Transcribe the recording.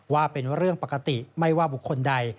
ว่าเป็นเรื่องปกติไม่ว่าบุคคลใด